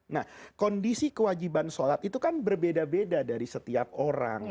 nah kondisi kewajiban sholat itu kan berbeda beda dari setiap orang